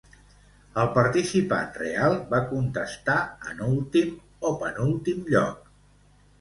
El participant "real" va contestar en últim o penúltim lloc.